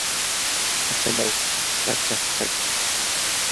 achalaw pachak chaki.